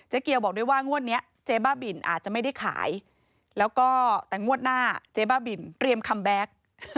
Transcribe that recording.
เกียวบอกด้วยว่างวดนี้เจ๊บ้าบินอาจจะไม่ได้ขายแล้วก็แต่งวดหน้าเจ๊บ้าบินเตรียมคัมแบ็ค